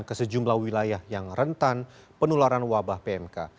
ke sejumlah wilayah yang rentan penularan wabah pmk